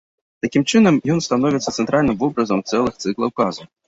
Такім чынам ён становіцца цэнтральным вобразам цэлых цыклаў казак.